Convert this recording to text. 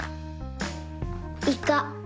イカ。